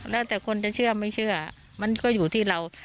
แล้วแต่คนจะเชื่อไม่เชื่อมันก็อยู่ที่เรา